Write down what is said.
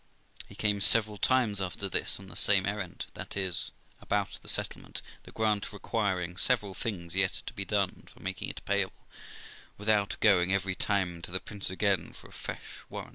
: He came several times after this on the same errand, that is, about the settlement, the grant requiring several things yet to be done for making it payable, without going every time to the prince again for a fresh war rant.